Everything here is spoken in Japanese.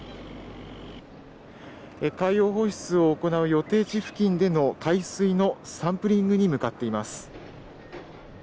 海洋放出を行う予定地付近での海水のサンプリングに向かっています。